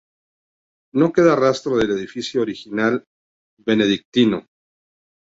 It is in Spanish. No queda rastro del edificio original benedictino.